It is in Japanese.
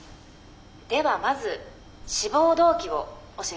「ではまず志望動機を教えて下さい」。